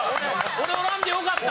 俺おらんでよかった！